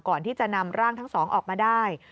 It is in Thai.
ก่อนที่จะนำร่างทั้งสองออกมาได้